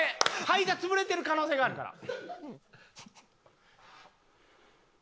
肺が潰れてる可能性があるから。